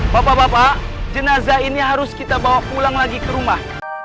bapak bapak jenazah ini harus kita bawa pulang lagi ke rumah